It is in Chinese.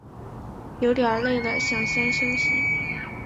有点累了想先休息